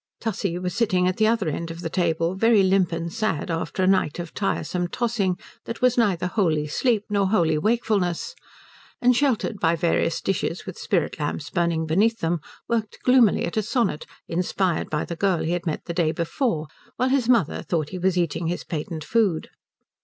Tussie was sitting at the other end of the table very limp and sad after a night of tiresome tossing that was neither wholly sleep nor wholly wakefulness, and sheltered by various dishes with spirit lamps burning beneath them worked gloomily at a sonnet inspired by the girl he had met the day before while his mother thought he was eating his patent food.